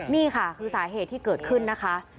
นี่ค่ะคือสาเหตุที่เกิดขึ้นนะคะ